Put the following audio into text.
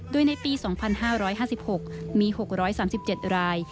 โดยในปี๒๕๕๖มี๖๓๗ราย